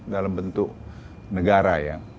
dalam bentuk negara ya